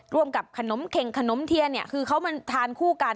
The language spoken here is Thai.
ร่วมกับขนมเข่งขนมเทียนเนี่ยคือเขามาทานคู่กัน